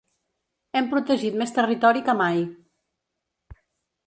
Hem protegit més territori que mai.